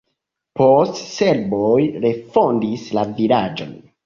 Poste serboj refondis la vilaĝon.